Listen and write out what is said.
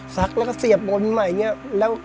สักแล้วเสี่ยมบนใหม่ฉะนั้น